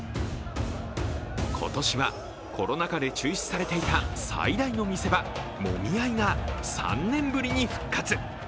今年はコロナ禍で中止されていた最大の見せ場、もみ合いが３年ぶりに復活。